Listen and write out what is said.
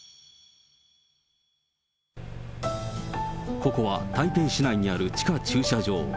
ここは台北市内にある地下駐車場。